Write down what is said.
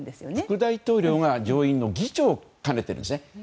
副大統領が上院の議長を兼ねているんですね。